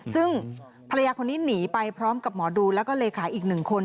ซึ่งภรรยาคนนี้หนีไปพร้อมกับหมอดูแล้วก็เลขาอีกหนึ่งคน